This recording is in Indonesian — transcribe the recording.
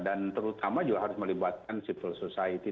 dan terutama juga harus melibatkan civil society